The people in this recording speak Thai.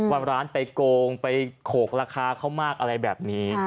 ว่าร้านไปโกงไปโขกราคาเขามากอะไรแบบนี้